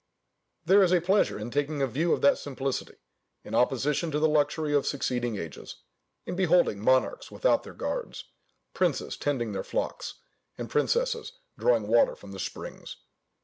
There is a pleasure in taking a view of that simplicity, in opposition to the luxury of succeeding ages: in beholding monarchs without their guards; princes tending their flocks, and princesses drawing water from the springs.